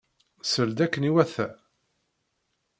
Sel-d akken iwata.